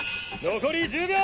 残り１０秒！